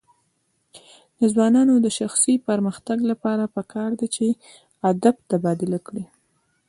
د ځوانانو د شخصي پرمختګ لپاره پکار ده چې ادب تبادله کړي.